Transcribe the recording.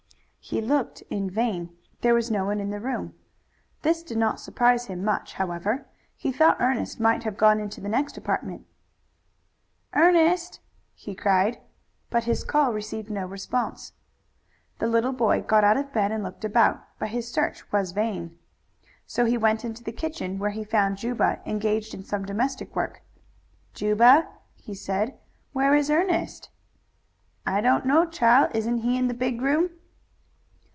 He looked in vain. There was no one in the room. This did not surprise him much, however. He thought Ernest might have gone into the next apartment. "Ernest!" he cried, but his call received no response. The little boy got out of bed and looked about, but his search was vain. So he went into the kitchen, where he found Juba engaged in some domestic work. "Juba," he said, "where is Ernest?" "I don't know, chile. Isn't he in the big room?"